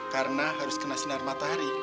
karena harus kena sinar matahari